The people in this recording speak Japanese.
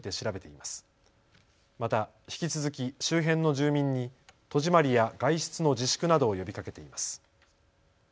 また、引き続き周辺の住民に戸締まりや外出の自粛などを呼びかけています。